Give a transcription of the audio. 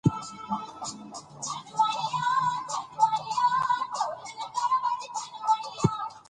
باسواده نجونې د خپلو اولادونو روغتیا ته ډیر پام کوي.